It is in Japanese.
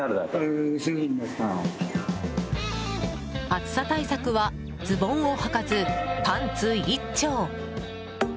暑さ対策はズボンをはかずパンツ一丁。